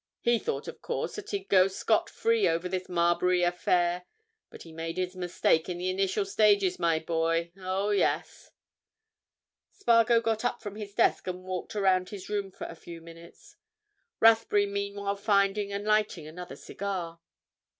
He thought, of course, that he'd go scot free over this Marbury affair. But he made his mistake in the initial stages, my boy—oh, yes!" Spargo got up from his desk and walked around his room for a few minutes, Rathbury meanwhile finding and lighting another cigar.